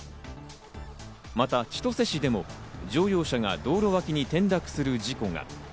また千歳市でも乗用車が道路脇に転落する事故が。